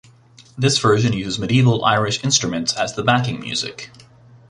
This version uses medieval Irish instruments as the backing music.